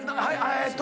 えーっと。